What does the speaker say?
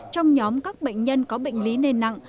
trong nhóm các bệnh nhân có bệnh lý nền nặng